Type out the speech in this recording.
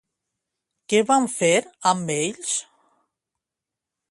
Què van fer amb ells?